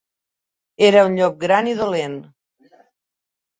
Era un llop gran i dolent.